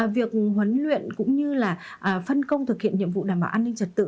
việc huấn luyện cũng như phân công thực hiện nhiệm vụ đảm bảo an ninh trật tự